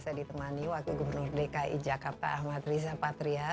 saya ditemani wakil gubernur dki jakarta ahmad riza patria